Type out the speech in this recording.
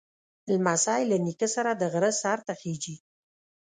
لمسی له نیکه سره د غره سر ته خېږي.